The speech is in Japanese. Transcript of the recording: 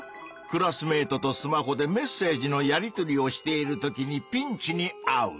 クラスメートとスマホでメッセージのやりとりをしているときにピンチにあう！